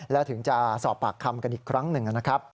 และถึงจะสอบปากคำกันอีกครั้งหนึ่งนะครับ